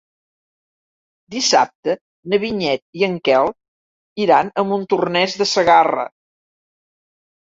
Dissabte na Vinyet i en Quel iran a Montornès de Segarra.